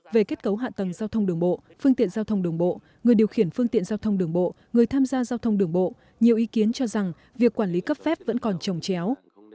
về kết cấu hạ tầng giao thông đường bộ phương tiện giao thông đường bộ người điều khiển phương tiện giao thông đường bộ người tham gia giao thông đường bộ nhiều ý kiến cho rằng việc quản lý cấp phép vẫn còn trồng chéo